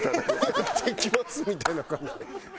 ヤってきますみたいな感じで。